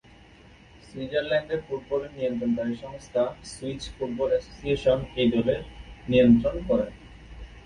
সুইজারল্যান্ডের ফুটবলের নিয়ন্ত্রণকারী সংস্থা সুইস ফুটবল অ্যাসোসিয়েশন এই দলের নিয়ন্ত্রণ করে।